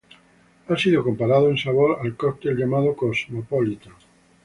Ha sido comparado en sabor al cóctel llamado Cosmopolitan.